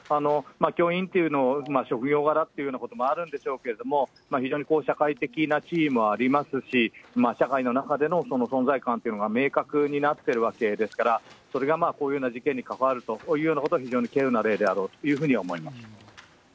教員というのは、職業柄っていうのもあるんでしょうけれども、非常にこう、社会的な地位もありますし、社会の中での存在感っていうのが明確になっているわけですから、それがまあ、こういうような事件に関わるということは、非常にけうな例であろうというふうに思います。